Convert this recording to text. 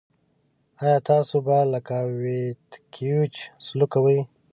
آیا تاسو به لکه ویتکیویچ سلوک کوئ.